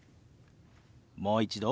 もう一度。